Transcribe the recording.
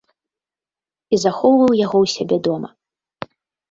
І захоўваў яго ў сябе дома.